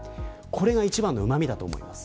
これが一番のうまみだと思います。